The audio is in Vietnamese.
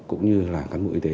cũng như là cán bộ y tế